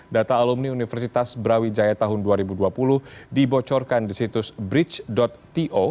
data alumni universitas brawijaya tahun dua ribu dua puluh dibocorkan di situs bridge to